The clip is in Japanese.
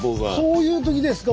そういう時ですか。